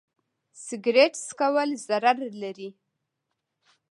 سګرټ څکول ضرر لري.